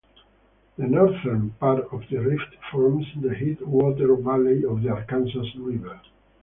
The northern part of the rift forms the headwater valley of the Arkansas River.